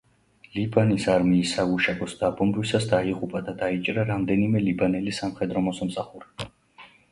ლიბანის არმიის საგუშაგოს დაბომბვისას დაიღუპა და დაიჭრა რამდენიმე ლიბანელი სამხედრო მოსამსახურე.